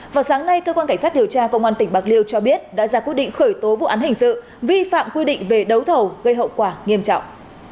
vào sáng nay cơ quan cảnh sát điều tra công an tỉnh bạc liêu cho biết đã ra quyết định khởi tố vụ án hình sự vi phạm quy định về đấu thầu gây hậu quả nghiêm trọng